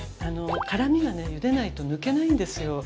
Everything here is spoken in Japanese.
辛みがねゆでないと抜けないんですよ。